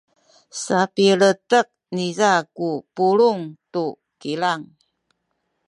sapiletek niza ku pulung tu kilang.